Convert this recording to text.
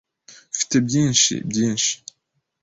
Mfite byinshi byinshi.